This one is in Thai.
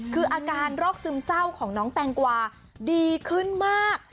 คืออาการโรคซึมเศร้าของน้องแตงกวาดีขึ้นมาก